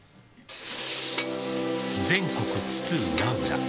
全国津々浦々